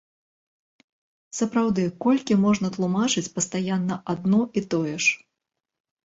Сапраўды, колькі можна тлумачыць пастаянна адно і тое ж?